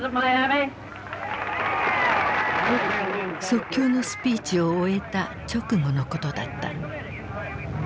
即興のスピーチを終えた直後のことだった。